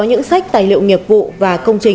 những sách tài liệu nghiệp vụ và công trình